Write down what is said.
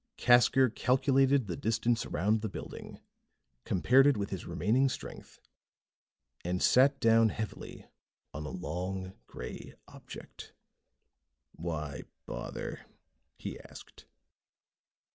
Casker calculated the distance around the building, compared it with his remaining strength, and sat down heavily on a long gray object. "Why bother?" he asked.